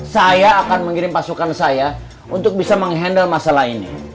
saya akan mengirim pasukan saya untuk bisa menghandle masalah ini